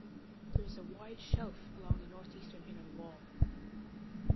There is a wide shelf along the northeastern inner wall.